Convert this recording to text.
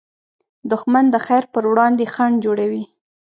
دښمن د خیر پر وړاندې خنډ جوړوي